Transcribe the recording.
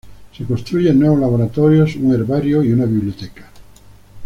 Se construyen nuevos laboratorios, un herbario y una biblioteca.